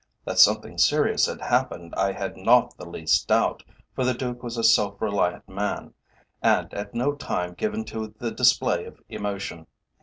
That something serious had happened I had not the least doubt, for the Duke was a self reliant man, and at no time given to the display of emotion.